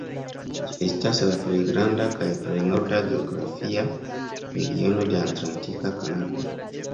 Ĝi estas la plej granda kaj plej norda geografia regiono de Atlantika Kanado.